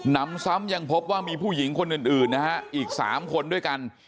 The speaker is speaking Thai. นำซ้ำยังพบว่ามีผู้หญิงคนอื่นนะฮะอีก๓คนด้วยกัน